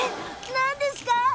何ですか？